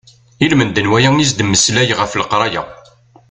Ilmend n waya i as-d-mmeslay ɣef leqraya.